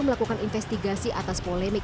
melakukan investigasi atas polemik